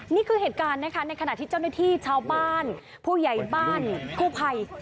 นี่คือเหตุการณ์นะคะในขณะที่เจ้าหน้าที่ชาวบ้านผู้ใหญ่บ้านกู้ภัย